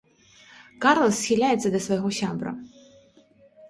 Карлас схіляецца да свайго сябра.